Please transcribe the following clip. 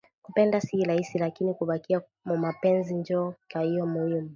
Kupenda ni rahisi lakini kubakia mumapenzi njo kya muimu